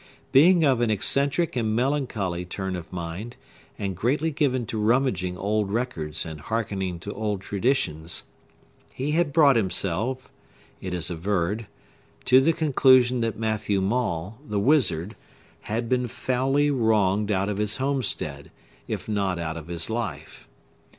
Being of an eccentric and melancholy turn of mind, and greatly given to rummaging old records and hearkening to old traditions, he had brought himself, it is averred, to the conclusion that Matthew Maule, the wizard, had been foully wronged out of his homestead, if not out of his life.